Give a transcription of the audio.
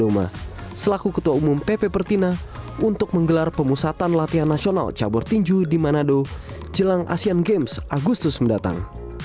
doma selaku ketua umum pp pertina untuk menggelar pemusatan latihan nasional cabur tinju di manado jelang asean games agustus mendatang